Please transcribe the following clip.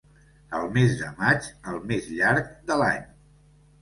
El mes de maig, el més llarg de l'any.